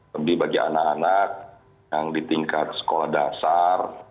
lebih bagi anak anak yang di tingkat sekolah dasar